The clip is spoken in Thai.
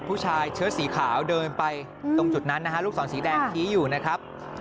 ผู้ชายเชื้อสีขาวเดินไปตรงจุดนั้นนะฮะลูกศรสีแดงชี้อยู่นะครับ